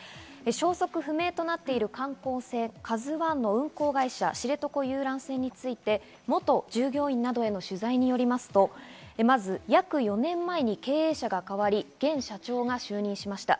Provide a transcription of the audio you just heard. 消息不明となっている観光船「ＫＡＺＵ１」の運航会社、知床遊覧船について元従業員などへの取材によりますと、まず約４年前に経営者が代わり、社長が就任しました。